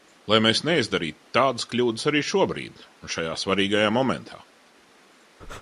Lai mēs neizdarītu tādas kļūdas arī šobrīd un šajā svarīgajā momentā.